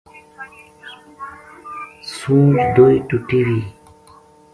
سونج دوئے ٹُٹی وی